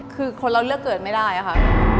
คือคนเราเลือกเกิดไม่ได้ค่ะ